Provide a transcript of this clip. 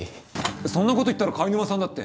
そんなこと言ったら貝沼さんだって。